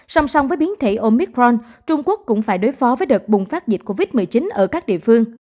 song song với biến thể omicron trung quốc cũng phải đối phó với đợt bùng phát dịch covid một mươi chín ở các địa phương